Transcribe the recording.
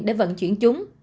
để vận chuyển